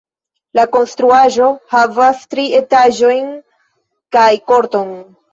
La konstruaĵo havas tri etaĝojn kaj korton.